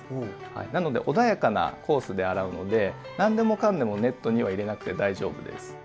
なので穏やかなコースで洗うので何でもかんでもネットには入れなくて大丈夫です。